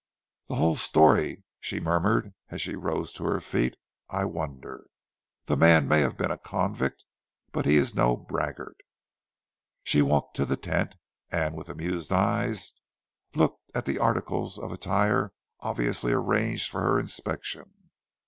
"The whole story!" she murmured as she rose to her feet. "I wonder? That man may have been a convict; but he is no braggart." She walked to the tent, and with amused eyes looked at the articles of attire obviously arranged for her inspection.